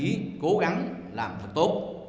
mong các đồng chí cố gắng làm thật tốt